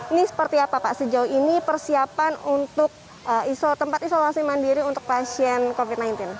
ini seperti apa pak sejauh ini persiapan untuk tempat isolasi mandiri untuk pasien covid sembilan belas